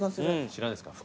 知らないですか？